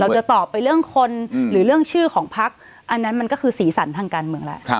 จะตอบไปเรื่องคนหรือเรื่องชื่อของพักอันนั้นมันก็คือสีสันทางการเมืองแล้ว